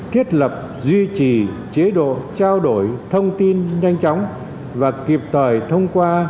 thiết lập duy trì chế độ trao đổi thông tin nhanh chóng và kịp thời thông qua đường dây nóng